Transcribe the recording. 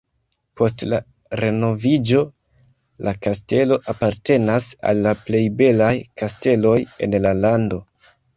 Post le renoviĝo la kastelo apartenas al la plej belaj kasteloj en la lando.